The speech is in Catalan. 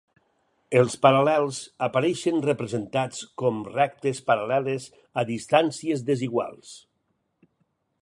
Els paral·lels apareixen representats com rectes paral·leles a distàncies desiguals.